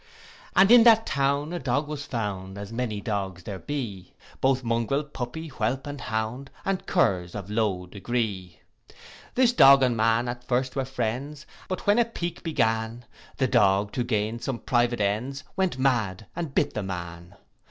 And in that town a dog was found, As many dogs there be, Both mungrel, puppy, whelp, and hound, And curs of low degree. This dog and man at first were friends; But when a pique began, The dog, to gain some private ends, Went mad and bit the man.